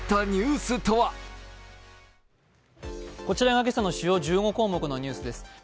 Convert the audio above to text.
こちらが今朝の主要１５項目のニュースです。